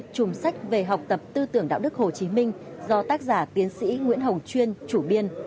chùm sách về học tập tư tưởng đạo đức hồ chí minh do tác giả tiến sĩ nguyễn hồng chuyên chủ biên